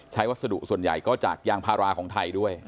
วัสดุส่วนใหญ่ก็จากยางพาราของไทยด้วย